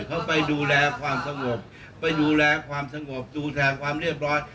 เขาไปดูแลความสงบไปดูแลความสงบดูแลความเรียบร้อย